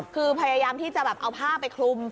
คือพยายามที่จะแบบเอาผ้าไปคลุม